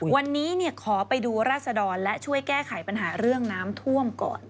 วันนี้ขอไปดูราศดรและช่วยแก้ไขปัญหาเรื่องน้ำท่วมก่อน